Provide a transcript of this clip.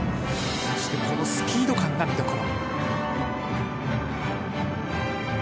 このスピード感が見どころ。